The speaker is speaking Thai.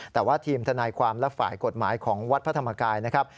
แต่ว่าทีมทนายความและฝ่ายกฎหมายของวัดพระธรรมกายนะครับ